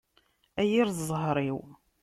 A yir ẓẓher-iw!